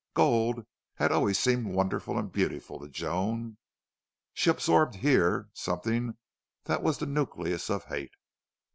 Gold had always seemed wonderful and beautiful to Joan; she absorbed here something that was the nucleus of hate.